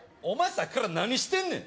さっきから何してんねん？